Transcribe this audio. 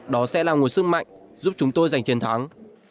đó sẽ là nguồn sức mạnh giúp chúng tôi giành chiến thắng